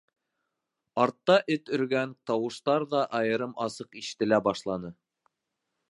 Артта эт өргән тауыштар ҙа айырым-асыҡ ишетелә башланы.